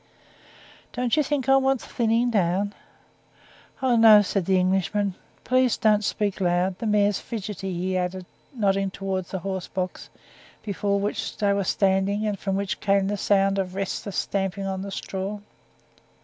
"Don't you think I want more thinning down?" "Oh, no," answered the Englishman. "Please, don't speak loud. The mare's fidgety," he added, nodding towards the horse box, before which they were standing, and from which came the sound of restless stamping in the straw.